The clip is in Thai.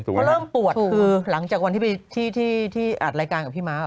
เขาเริ่มปวดคือหลังจากวันที่อาจรายการกับพี่ม้าหรอ